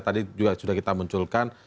tadi juga sudah kita munculkan